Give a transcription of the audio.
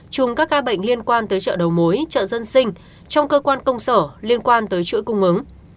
chùm các ca bệnh liên quan tới chợ đầu mối chợ dân sinh trong cơ quan công sở liên quan tới chuỗi cung ứng